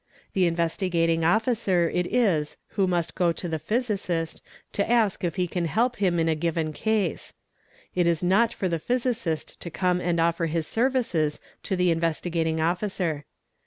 The Investigating Officer it is who must to the physicist to ask if he can help him in a given case:, it is not for the physicist to come and offer his services to the Investigating ' Officer.